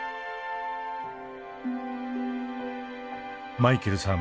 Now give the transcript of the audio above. マイケルさん